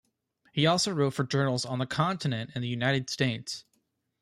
He also wrote for journals on the continent and the United States.